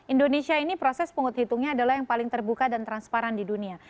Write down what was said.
indonesia ini proses penghut hitungnya adalah yang paling terbuka dan transparan di dunia